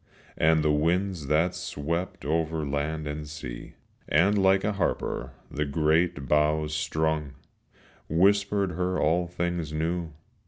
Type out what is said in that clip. And the winds that swept over land and sea, And like a harper the great boughs strung, Whispered her all things new.